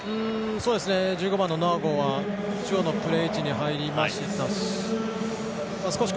１５番のノアゴーは中央のプレー位置に入りましたし